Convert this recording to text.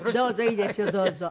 いいですよどうぞ。